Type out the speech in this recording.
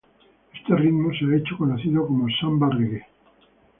Este ritmo se ha hecho conocido como samba-reggae.